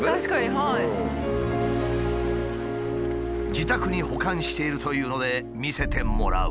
自宅に保管しているというので見せてもらう。